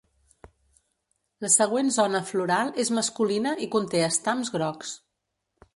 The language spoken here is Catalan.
La següent zona floral és masculina i conté estams grocs.